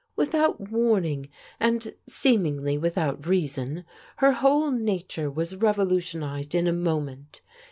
Without warning, and seemingly without rea son, her whole nature was revolutionized in a moment.